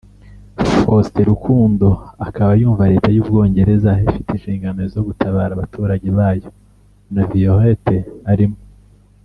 Faustin Rukundo akaba yumva Leta y’Ubwongereza ifite inshingano zo gutabara abaturage bayo na Violette arimo